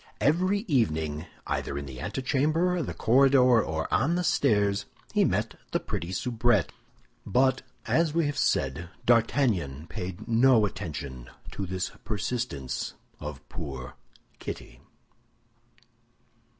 Every evening, either in the antechamber, the corridor, or on the stairs, he met the pretty soubrette. But, as we have said, D'Artagnan paid no attention to this persistence of poor Kitty.